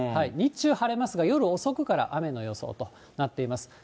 日中晴れますが、夜遅くから雨の予想となっています。